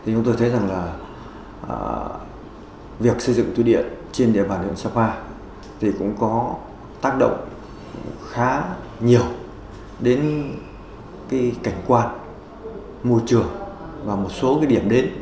chúng tôi thấy việc xây dựng thủy điện trên địa bàn sapa cũng có tác động khá nhiều đến cảnh quan môi trường và một số điểm đến